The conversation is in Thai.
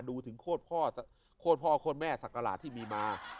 ดูถึงโคตรพ่อโคตรพ่อโคตรแม่ศักราชที่มีมา